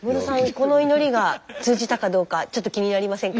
この祈りが通じたかどうかちょっと気になりませんか？